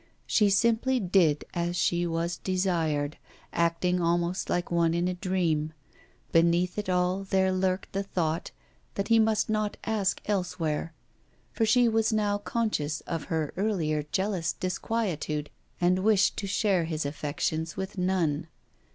She simply did as she was desired, acting almost like one in a dream. Beneath it all there lurked the thought that he must not ask elsewhere, for she was now conscious of her earlier jealous disquietude and wished to share his affections with none.